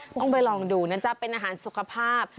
ต้องไปลองดูนะจ๊ะเป็นอาหารสุขภาพ